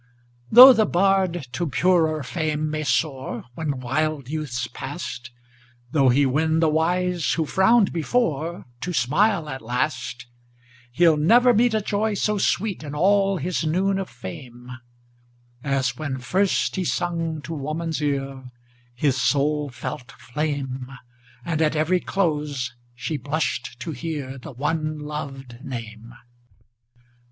Tho' the bard to purer fame may soar, When wild youth's past; Tho' he win the wise, who frowned before, To smile at last; He'll never meet A joy so sweet, In all his noon of fame, As when first he sung to woman's ear His soul felt flame, And, at every close, she blushed to hear The one lov'd name.